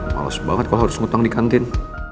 males banget kalau harus ngutang di kantin